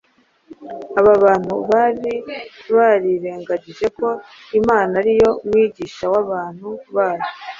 Aba bantu bari barirengagije ko Imana ari yo mwigisha w’abantu bayo